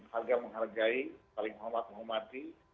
harga menghargai saling hormat menghormati